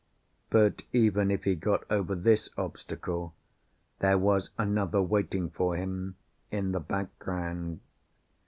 But even if he got over this obstacle, there was another waiting for him in the background.